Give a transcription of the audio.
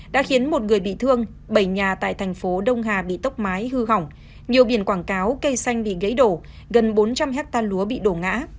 đã khiến một người bị thương bảy nhà tại thành phố đông hà bị tốc mái hư hỏng nhiều biển quảng cáo cây xanh bị gãy đổ gần bốn trăm linh hectare lúa bị đổ ngã